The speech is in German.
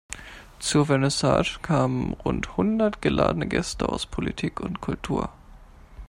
Zur Vernissage kamen rund hundert geladene Gäste aus Politik und Kultur.